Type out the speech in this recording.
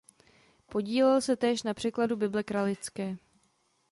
Podílel se též na překladu Bible kralické.